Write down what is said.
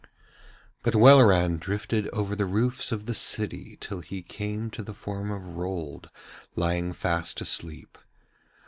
But Welleran drifted over the roofs of the city till he came to the form of Rold lying fast asleep.